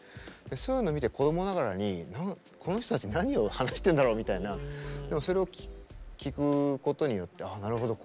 そういうのを見て子どもながらに「この人たち何を話してるんだろう」みたいなそれを聞くことによって「ああなるほど。